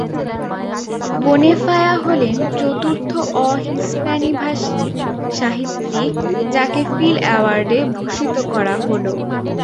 Bonnefoy হলেন চতুর্থ অ-হিস্পানিভাষী সাহিত্যিক, যাঁকে ফিল অ্যাওয়ার্ডে ভূষিত করা হলো।